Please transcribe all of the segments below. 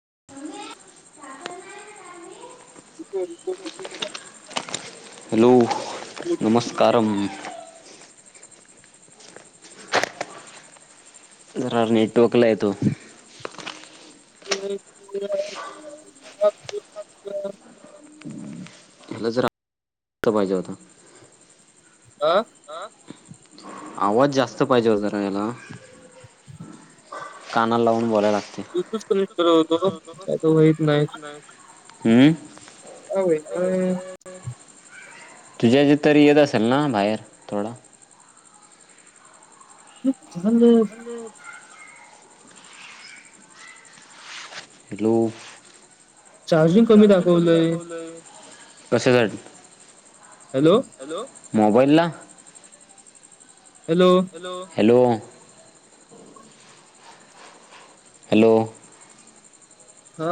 [inaudible] [unintelligible] Hello नमस्काराम! जरा network ला येतो. [unintelligible] याला जरा पाहिजे होता. आ आवाज जास्त पाहिजे होता र याला. कानाला लावून बोलाय ला एकच होतो काय वई.. होईत नाय हम्म? आय. तुझ्या ह्याच्यात तरी येत असेल ना बाहेर थोडा? [unintelligible] [unintelligible] हॅलो... चार्जिंग कमी दाखवलंय... कशा साठी हॅलो मोबाईल ला?... हॅलो! हॅलो! हॅलो! हा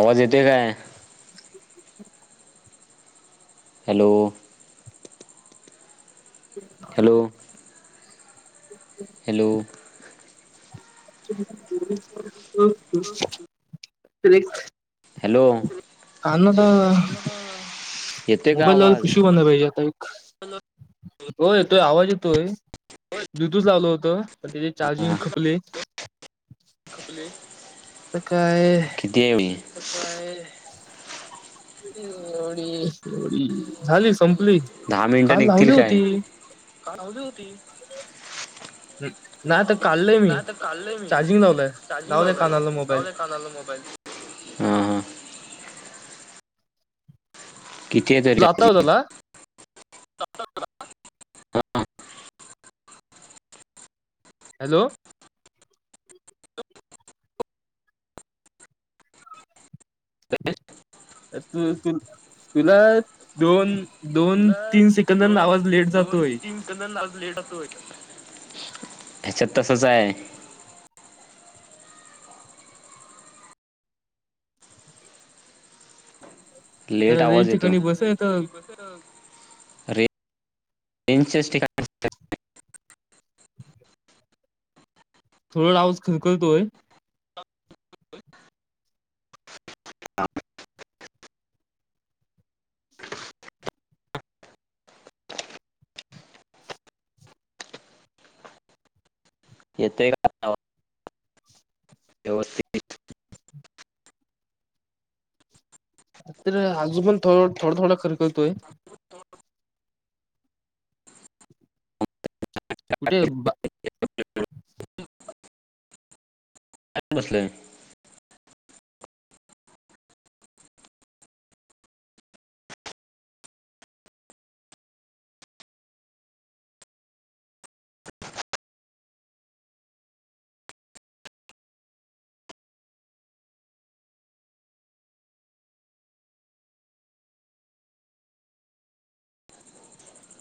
आवाज येतोय काय? हॅलो? [unintelligible] हॅलो! [unintelligible] हॅलो? कानाला मोबाईल ला पिशवी बांधली पाहिजे आता एक. हो येतोय आवाज येतोय ब्लूटूथ लावलं होत पण त्याचे चार्जिंग संपले... किती हाय भाई? किती हाय एवढी एवढी झाली संपली. दहा मिनिटं निघतील काय? नाय आता कालय मी चार्जिंग लावतय लावलय कानला मोबाईल. ह! तुला आता आवाजा आला? [unintelligible] हॅलो? कस्तुर तूर, तुला दोन दोन तीन सेकंदत आवाज लेट जा.... ले ह्याच्यात तसच आहे.. लेट आवाज येतो अरे... इन सष्टटिक थोडं राऊस खलकलतोय हा येतोय का व्यवस्थित... तर आजून पण थोडा थोडा खरखर करतोय ओटट कुठे काय बसले